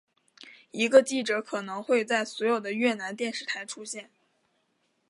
一个记者可能会在所有的越南电视台出现。